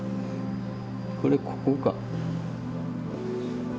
これここか？